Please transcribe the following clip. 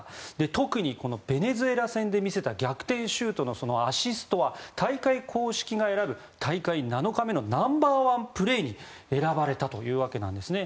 特にこのベネズエラ戦で見せた逆転シュートのアシストは大会公式が選ぶ大会７日目のナンバーワンプレーに選ばれたというわけなんですね。